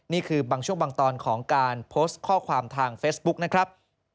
นี่คือบางช่วงบางตอนของการโพสต์ข้อความทางเฟซบุ๊กนะครับ